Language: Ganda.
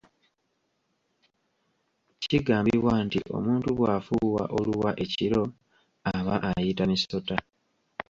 Kigambibwa nti omuntu bw'afuuwa oluwa ekiro aba ayita misota.